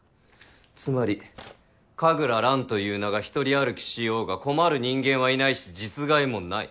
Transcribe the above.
つまり神楽蘭という名がひとり歩きしようが困る人間はいないし実害もない。